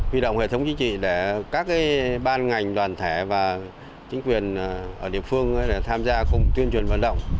huy động hệ thống chính trị để các ban ngành đoàn thể và chính quyền ở địa phương tham gia cùng tuyên truyền vận động